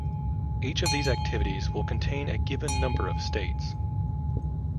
Each of these activities will contain a given number of 'states'.